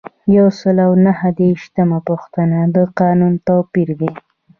یو سل او نهه دیرشمه پوښتنه د قانون توپیر دی.